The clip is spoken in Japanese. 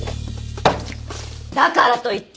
だからといって